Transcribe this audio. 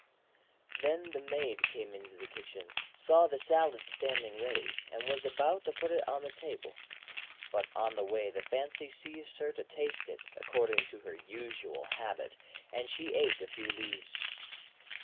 Then the Maid came into the kitchen, saw the salad standing ready, and was about to put it on the table. But on the way the fancy seized her to taste it, according to her usual habit, and she ate a few leaves.